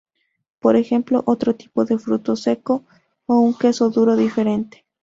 Por ejemplo, otro tipo de fruto seco o un queso duro diferente.